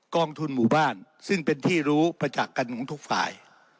กองทุนหมู่บ้านซึ่งเป็นที่รู้ประจักษ์กันของทุกฝ่าย